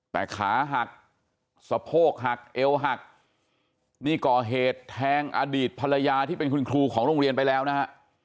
แต่ขาหักสะโพกหักเอวหักนี่ก่อเหตุแทงอดีตภรรยาที่เป็นคุณครูของโรงเรียนไปแล้วนะฮะ